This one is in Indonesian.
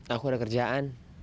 aku ada kerjaan